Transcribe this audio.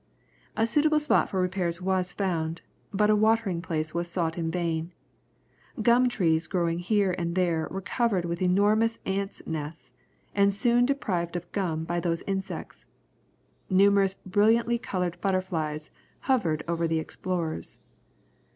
A suitable spot for repairs was found, but a watering place was sought in vain. Gum trees growing here and there were covered with enormous ants' nests, and soon deprived of gum by those insects. Numerous brilliantly coloured butterflies hovered over the explorers.